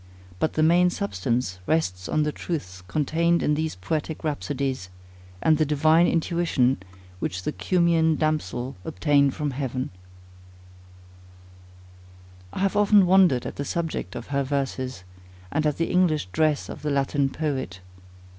But the main substance rests on the truths contained in these poetic rhapsodies, and the divine intuition which the Cumæan damsel obtained from heaven. I have often wondered at the subject of her verses, and at the English dress of the Latin poet.